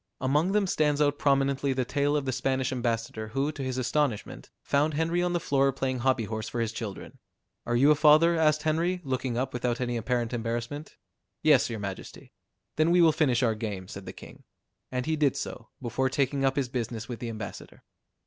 Among them stands out prominently the tale of the Spanish ambassador who to his astonishment, found Henry on the floor playing hobby horse for his children. "Are you a father?" asked Henry, looking up without any apparent embarrassment. "Yes, your majesty." "Then we will finish our game," said the king. And he did so, before taking up his business with the ambassador.